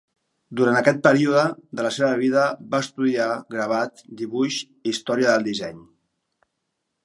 Durant aquest període de la seva vida va estudiar gravat, dibuix i història del disseny.